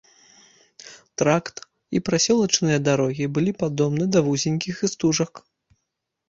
Тракт і прасёлачныя дарогі былі падобны да вузенькіх істужак.